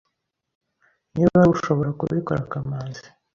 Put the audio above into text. Niba hari ushobora kubikora Kamanzi.